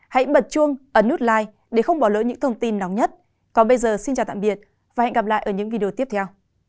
hẹn gặp lại các bạn trong những video tiếp theo